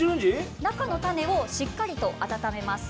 中のタネをしっかりと温めます。